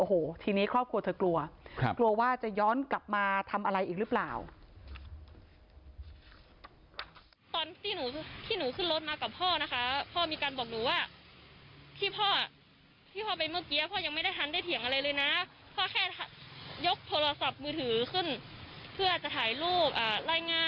โอ้โหทีนี้ครอบครัวเธอกลัวกลัวว่าจะย้อนกลับมาทำอะไรอีกหรือเปล่า